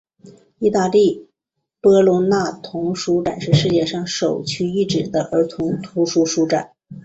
意大利波隆那童书展是世界上首屈一指的儿童图书书展。